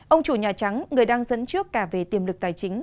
ông chủ nhà trắng người đang dẫn trước cả về tiềm lực tài chính